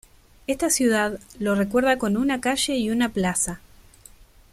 Esta ciudad lo recuerda con una calle y una plaza.